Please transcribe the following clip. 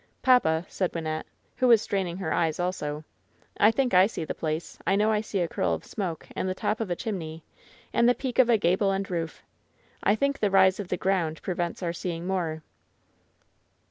"Papa," said Wynnette, who was straining her eyes also, "I think I see the place. I know I see a curl of smoke and the top of a chimney, and the peak of a ^able end roof. I think the rise of the ground prevents our seeing more."